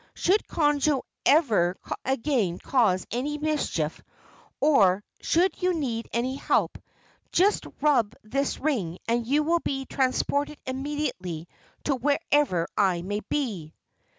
Should Conjo ever again cause any mischief, or should you need my help, just rub this ring and you will be transported immediately to wherever I may be."